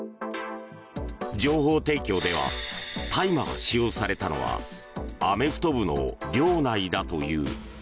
情報提供では大麻が使用されたのはアメフト部の寮内だという。